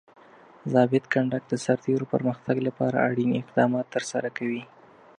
ضابط کنډک د سرتیرو پرمختګ لپاره اړین اقدامات ترسره کوي.